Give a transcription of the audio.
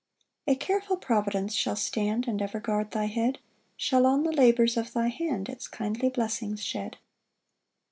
2 A careful providence shall stand And ever guard thy head, Shall on the labours of thy hand Its kindly blessings shed.